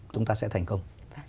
chúng ta sẽ thành công